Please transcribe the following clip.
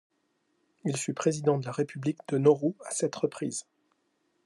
Il fut président de la République de Nauru à sept reprises.